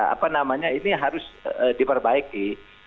apa namanya ini harus diperbaiki